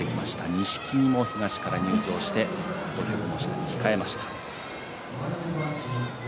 錦木も東から入場して土俵の下に控えました。